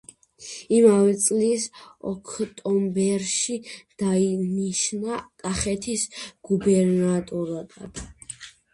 იმავე წლის ოქტომბერში დაინიშნა კახეთის გუბერნატორად.